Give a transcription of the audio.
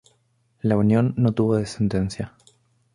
La unión no tuvo descendencia.